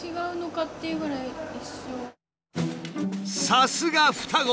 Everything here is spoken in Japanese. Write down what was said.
さすが双子！